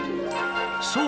そう！